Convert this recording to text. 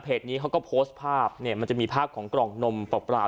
นี้เขาก็โพสต์ภาพเนี่ยมันจะมีภาพของกล่องนมเปล่า